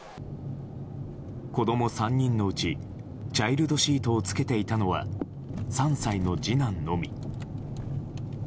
子供３人のうちチャイルドシートを着けていたのは３歳の次男のみ。